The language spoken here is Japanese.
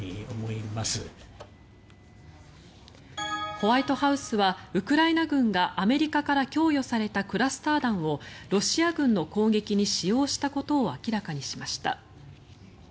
ホワイトハウスはウクライナ軍がアメリカから供与されたクラスター弾をロシア軍の攻撃に使用したことを明らかにしました。